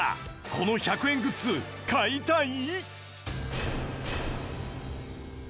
この１００円グッズ買いたい？